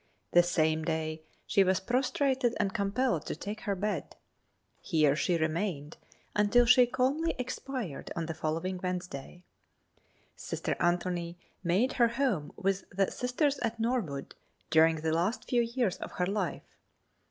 That same day she was prostrated and compelled to take her bed. Here she remained until she calmly expired on the following Wednesday. Sister Anthony made her home with the Sisters at Norwood during the last few years of her life.